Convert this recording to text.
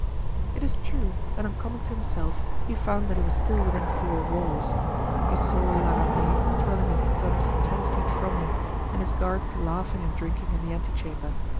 It is true that on coming to himself he found that he was still within four walls; he saw La Ramee twirling his thumbs ten feet from him, and his guards laughing and drinking in the ante chamber.